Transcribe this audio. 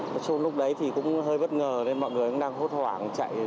nói chung lúc đấy thì cũng hơi bất ngờ nên mọi người cũng đang hốt hoảng chạy